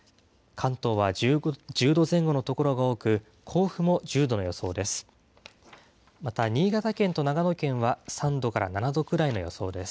関東は１０度前後の所が多く、甲府も１０度の予想です。